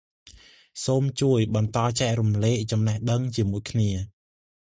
សូមជួយ បន្តចែករំលែក ចំនេះដឹងជាមួយគ្នា។